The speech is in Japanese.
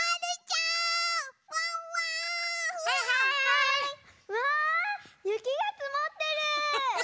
うわゆきがつもってる！